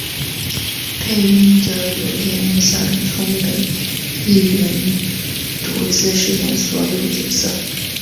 配音则由演员小林聪美一人独自饰演所有角色。